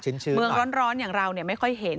เมืองร้อนอย่างเราไม่ค่อยเห็น